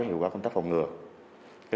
hiệu quả công tác phòng ngừa